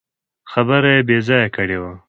خبره يې بې ځايه کړې ده.